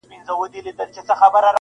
په تو پک نه سي قلم ته دعا وکړﺉ-